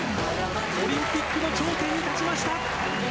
オリンピックの頂点に立ちました！